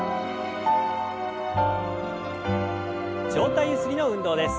上体ゆすりの運動です。